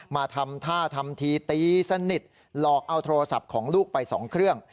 มาทำท่าทำทีตีสนิทหลอกเอาโทรศัพท์ของลูกไป๒เครื่อง